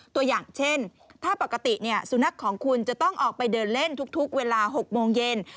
ตัวอย่างเช่นถ้าปกติสุนัขของคุณจะต้องออกไปเดินเล่นทุกเวลา๖โมงเย็น